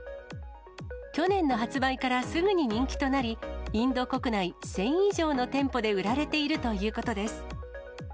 去年の発売からすぐに人気となり、インド国内１０００以上の店舗で売られているということです。